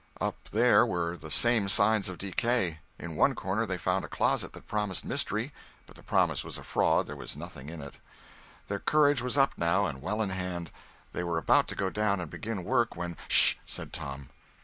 Up there were the same signs of decay. In one corner they found a closet that promised mystery, but the promise was a fraud—there was nothing in it. Their courage was up now and well in hand. They were about to go down and begin work when— "Sh!" said Tom.